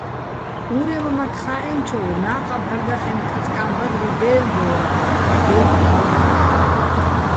ურემმაქ ხა́ჸენჩოვ ნა́ყა ბჵარდახენო̆ კაწკა́ჼ ბადრი დე́ლდო́რათხო̆, ბე́კი ბო́რ.